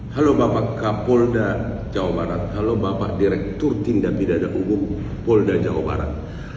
halo bapak kapolda jawa barat halo bapak direktur tindak pidana umum polda jawa barat